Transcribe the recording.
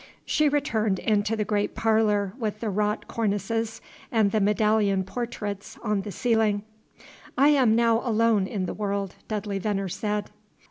She returned into the great parlor with the wrought cornices and the medallion portraits on the ceiling. "I am now alone in the world," Dudley Veneer said.